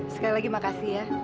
sekali lagi makasih ya